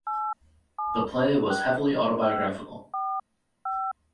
The play was heavily autobiographical.